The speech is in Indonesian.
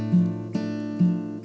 kenapa kangen lagi mbak